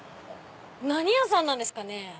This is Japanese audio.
何屋さんなんですかね？